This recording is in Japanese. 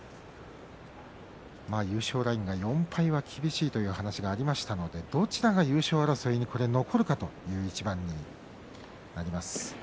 優勝ラインが４敗は厳しいという話がありましたのでどちらが優勝争いに残るかという一番になります。